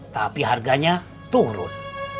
tapi harganya turun